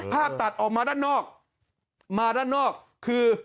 ตัดออกมาด้านนอกมาด้านนอกคือ